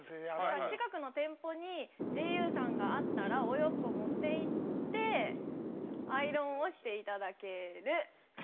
近くの店舗にＧＵさんがあったらお洋服を持っていってアイロンをしていただける。